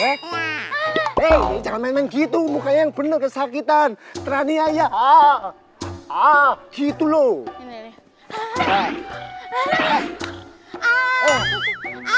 hei jangan gitu mukanya yang bener kesakitan trani ayah ah ah gitu loh ah ya